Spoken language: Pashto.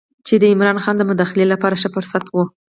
چې د عمرا خان د مداخلې لپاره ښه فرصت و.